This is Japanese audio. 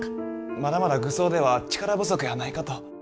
まだまだ愚僧では力不足やないかと。